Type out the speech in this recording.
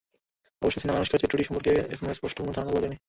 অবশ্য, সিনেমায় আনুশকার চরিত্রটি সম্পর্কে এখনো স্পষ্ট কোনো ধারণা পাওয়া যায়নি।